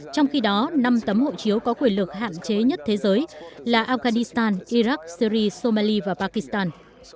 trong khi đó năm tấm hộ chiếu có quyền lực hạn chế nhất thế giới là afghanistan iraq syri somali và pakistan